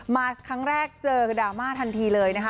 มาครั้งแรกเจอดราม่าทันทีเลยนะคะ